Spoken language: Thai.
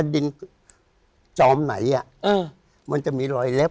ดินจอมไหนมันจะมีรอยเล็บ